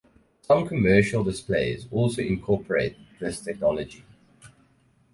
Some commercial displays also incorporate this technology.